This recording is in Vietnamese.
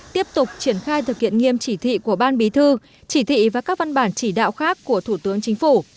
tiếp tục triển khai thực hiện nghiêm chỉ thị của ban bí thư chỉ thị và các văn bản chỉ đạo khác của thủ tướng chính phủ